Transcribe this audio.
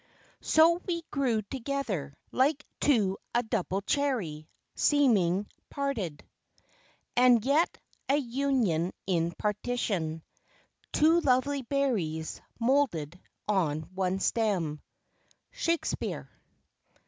"So we grew together, Like to a double cherry, seeming parted, And yet a union in partition, Two lovely berries moulded on one stem." SHAKESPEARE.